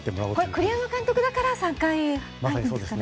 栗山監督だから３回なんですかね。